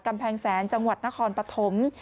กำแพงแสนจังหวัดนครปฐม